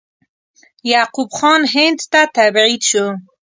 یعقوب خان هند ته تبعید شو.